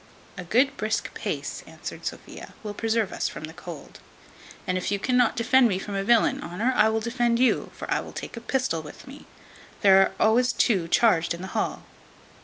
"A good brisk pace," answered Sophia, "will preserve us from the cold; and if you cannot defend me from a villain, Honour, I will defend you; for I will take a pistol with me. There are two always charged in the hall."